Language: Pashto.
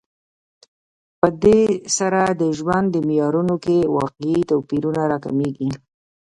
په دې سره د ژوند په معیارونو کې واقعي توپیرونه راکمېږي